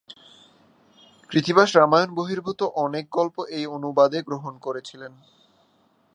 কৃত্তিবাস রামায়ণ-বহির্ভূত অনেক গল্প এই অনুবাদে গ্রহণ করেছিলেন।